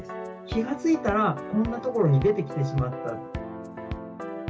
気がついたら、こんな所に出てきてしまったと。